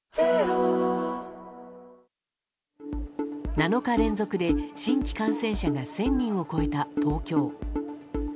７日連続で新規感染者が１０００人を超えた東京。